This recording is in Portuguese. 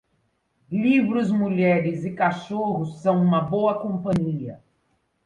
Livros, mulheres e cachorros são uma boa companhia.